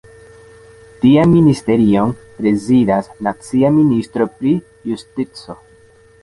Tian ministerion prezidas nacia ministro pri justico.